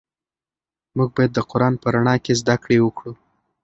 موږ باید د قرآن په رڼا کې زده کړې وکړو.